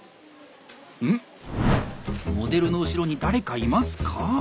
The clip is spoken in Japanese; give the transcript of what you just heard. うん⁉モデルの後ろに誰かいますか？